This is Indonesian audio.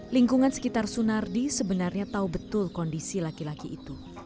lingkungan sekitar sunardi sebenarnya tahu betul kondisi laki laki itu